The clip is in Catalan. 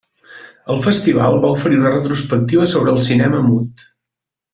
El festival va oferir una retrospectiva sobre el cinema mut.